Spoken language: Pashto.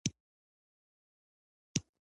ولایتي شوراګانو د غړو له منځه.